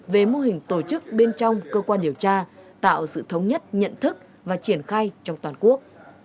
về mô hình tổ chức bên trong cơ quan điều tra tạo sự thống nhất nhận thức và triển khai trong toàn quốc